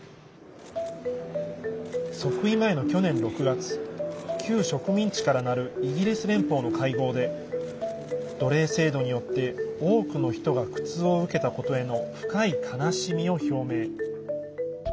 即位前の去年６月旧植民地からなるイギリス連邦の会合で奴隷制度によって多くの人が苦痛を受けたことへの深い悲しみを表明。